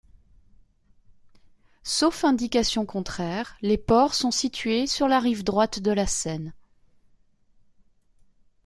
Sauf indication contraire, les ports sont situés sur la rive droite de la Seine.